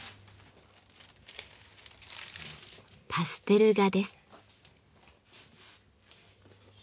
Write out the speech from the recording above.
パステル画です。